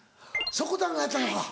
しょこたんがやったのか。